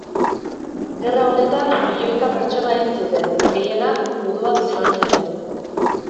Gerra honetan milioika pertsona hil ziren, gehienak juduak izan ziren.